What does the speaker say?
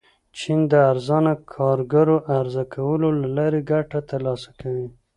چین د ارزانه کارګرو عرضه کولو له لارې ګټه ترلاسه کوي.